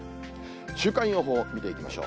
週間予報見ていきましょう。